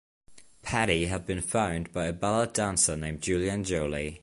Paddy had been found by a ballet dancer named Julien Joly.